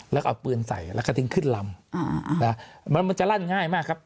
แล้วก็เอาปืนใส่แล้วก็ทิ้งขึ้นลำมันจะลั่นง่ายมากครับ